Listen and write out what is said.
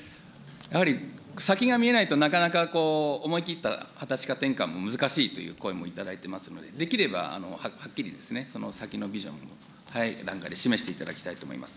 やはり先が見えないと、なかなか思い切った畑地化転換、難しいという声も頂いてますので、できればはっきりですね、その先のビジョンを、早い段階で示していただきたいと思います。